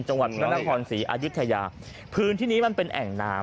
จังหวัดพระนครศรีอายุทยาพื้นที่นี้มันเป็นแอ่งน้ำ